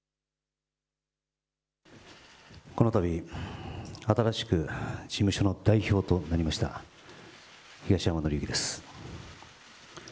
このたび、新しく事務所の代表となりました東山紀之です。